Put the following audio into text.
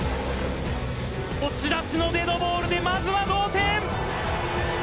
押し出しのデッドボールでまずは同点！